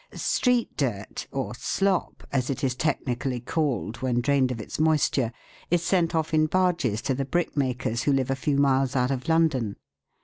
Street dirt, or " slop '; as it is technically called, when drained of its moisture, is sent off in barges to the brick makers, who live a few miles out of London.